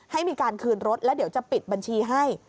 ให้มีการคืนรถแล้วเดี๋ยวจะปิดบัญชีให้